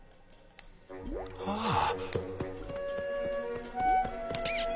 ああ！